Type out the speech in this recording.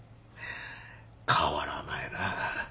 変わらないな。